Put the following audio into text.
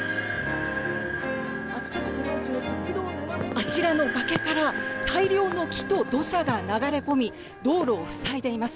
あちらの崖から大量の木と土砂が流れ込み道路を塞いでいます。